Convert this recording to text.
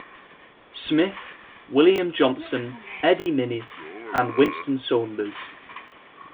Smith, William Johnson, Eddie Minnis and Winston Saunders.